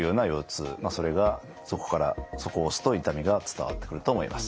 それがそこを押すと痛みが伝わってくると思います。